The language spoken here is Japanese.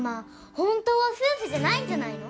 本当は夫婦じゃないんじゃないの？